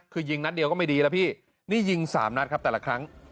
คือยิงนัดเดียวก็ไม่ดีแล้วพี่นี่ยิงสามนัดครับแต่ละครั้ง